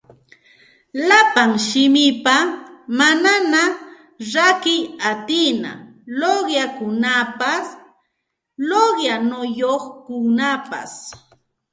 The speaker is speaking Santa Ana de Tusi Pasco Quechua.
Llapa simipa manaña rakiy atina luqyanakunapas luqyanayuqkunapas